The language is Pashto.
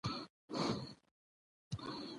ماشومان د لوبو له لارې خپل مهارتونه وښيي